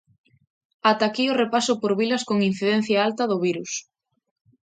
Ata aquí o repaso por vilas con incidencia alta do virus.